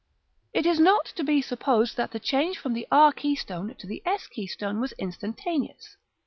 It is not to be supposed that the change from the r keystone to the s keystone was instantaneous.